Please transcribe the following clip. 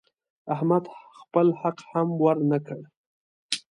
احمد خپل حق هم ونه ورکړ.